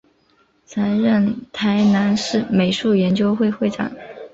曾任台南市美术研究会会长。